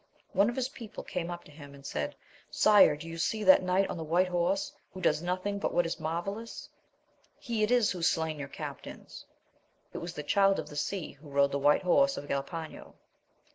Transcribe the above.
One of his people came up to him, and said, Sire, do you see that knight on the white horse, who does nothing but what is marvellous ? he it is who slew your captains. It was the Child of the Sea, who rode the white horse of Galpano.